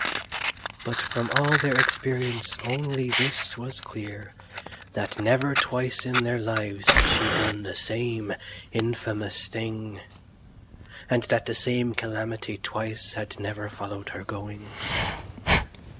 But from all their experience only this was clear, that never twice in their lives had she done the same infamous thing, and that the same calamity twice had never followed her goings.